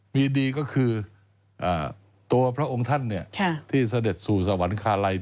มีดีก็คือตัวพระองค์ท่านที่เสด็จสู่สวรรคาลัย